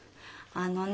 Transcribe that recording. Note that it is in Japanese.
あのねえ。